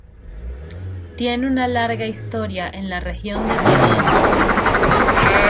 Tiene una larga historia en la región de Piamonte.